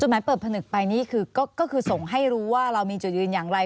หมายเปิดผนึกไปนี่คือก็คือส่งให้รู้ว่าเรามีจุดยืนอย่างไร